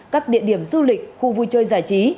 các địa điểm du lịch khu vui chơi giải trí